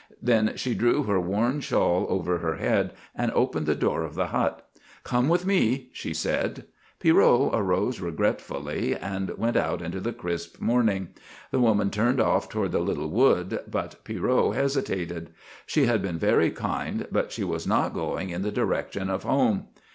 Then she drew her worn shawl over her head and opened the door of the hut. "Come with me," she said. Pierrot arose regretfully and went out into the crisp morning. The woman turned off toward the little wood, but Pierrot hesitated. She had been very kind, but she was not going in the direction of home.